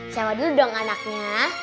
siapa dulu dong anaknya